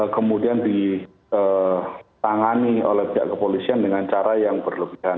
kemudian ditangani oleh pihak kepolisian dengan cara yang berlebihan